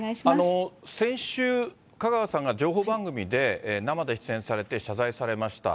先週、香川さんが情報番組で生で出演されて、謝罪されました。